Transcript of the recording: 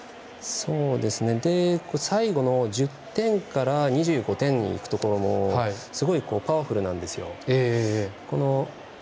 最後の１０点から２５点にいくところすごいパワフルなんですよ。